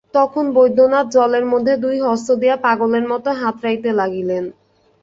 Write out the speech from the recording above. তখন বৈদ্যনাথ জলের মধ্যে দুই হস্ত দিয়া পাগলের মতো হাতড়াইতে লাগিলেন।